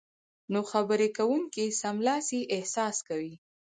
نو خبرې کوونکی سملاسي احساس کوي